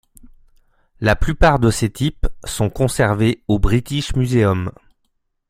La plupart de ces types sont conservés au British Museum.